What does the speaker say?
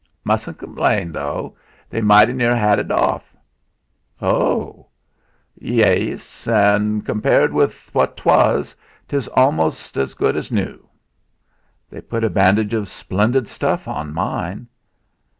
"Mustn't complain, though they mighty near 'ad it off." "Ho!" "Yeas; an' compared with what 'twas, 'tes almost so gude as nu." "They've put a bandage of splendid stuff on mine."